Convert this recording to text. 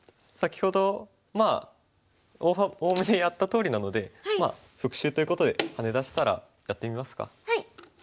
先ほどまあおおむねやったとおりなので復習ということでハネ出したらやってみますか。